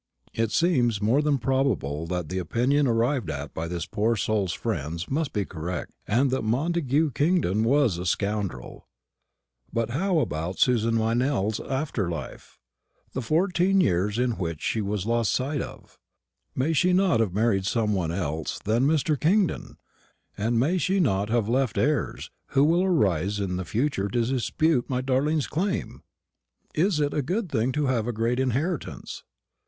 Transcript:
It seems more than probable that the opinion arrived at by this poor soul's friends must be correct, and that Montagu Kingdon was a scoundrel. But how about Susan Meynell's after life? the fourteen years in which she was lost sight of? May she not have married some one else than Mr. Kingdon? and may she not have left heirs who will arise in the future to dispute my darling's claim? Is it a good thing to have a great inheritance?